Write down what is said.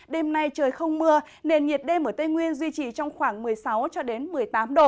đêm nay trời không mưa nên nhiệt đêm ở tây nguyên duy trì trong khoảng một mươi sáu cho đến một mươi tám độ